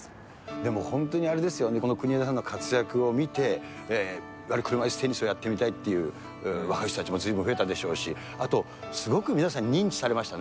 でも本当にあれですよね、国枝さんの活躍を見て、車いすテニスをやってみたいっていう若い人たちもずいぶん増えたでしょうし、あと、すごく皆さんに認知されましたね。